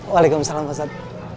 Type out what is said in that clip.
waalaikumsalam mas ad